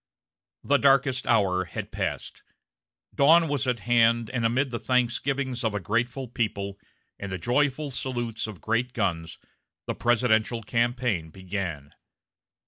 The darkest hour had passed; dawn was at hand, and amid the thanksgivings of a grateful people, and the joyful salutes of great guns, the presidential campaign began.